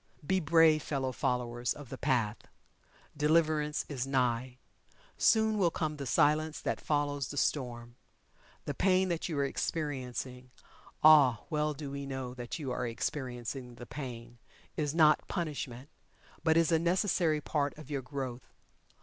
Be brave, fellow followers of The Path Deliverance is nigh. Soon will come the Silence that follows the Storm. The pain that you are experiencing ah, well do we know that you are experiencing the pain is not punishment, but is a necessary part of your growth.